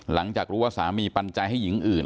หลังจากรู้ว่าสามีปัญญาให้หญิงอื่น